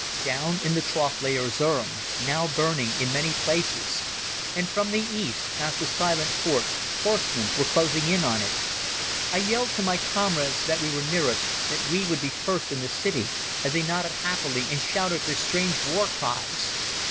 Down in the trough lay Erzerum, now burning in many places, and from the east, past the silent forts, horsemen were closing in on it. I yelled to my comrades that we were nearest, that we would be first in the city, and they nodded happily and shouted their strange war cries.